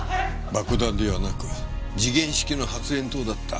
爆弾ではなく時限式の発炎筒だった。